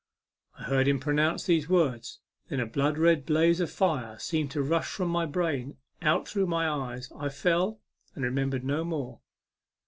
I heard him pronounce these words, then a blood red blaze of fire seemed to rush from my brain out through my eyes. I fell, and remember no more.